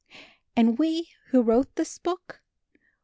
And we who wrote this book?